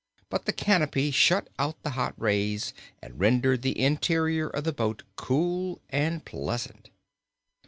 But the canopy shut out the hot rays and rendered the interior of the boat cool and pleasant.